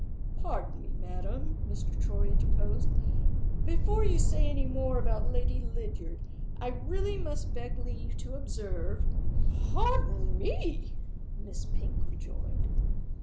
"Pardon me, madam," Mr. Troy interposed. "Before you say any more about Lady Lydiard, I really must beg leave to observe " "Pardon me," Miss Pink rejoined.